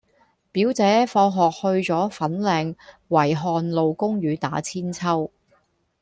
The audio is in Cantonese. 表姐放學去左粉嶺維翰路公園打韆鞦